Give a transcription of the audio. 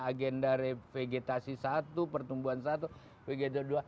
agenda revegetasi satu pertumbuhan satu vegetasi dua